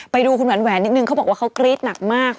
ไปดูคุณแหวนนิดนึงเขาบอกว่าเขากรี๊ดหนักมาก